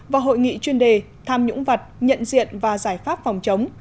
và hội nghị chuyên đề tham nhũng vật nhận diện và giải pháp phòng chống